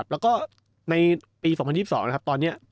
แล้วก็ในปี๒๐๒๒นะครับตอนนี้